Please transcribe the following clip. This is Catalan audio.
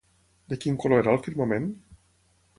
De quin color era el firmament?